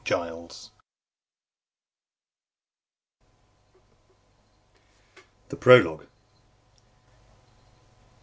Giles I. THE PROLOGUE.